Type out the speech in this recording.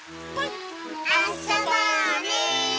あそぼうね。